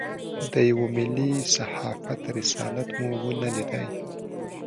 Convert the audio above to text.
د یوه ملي صحافت رسالت مو ونه لېدای.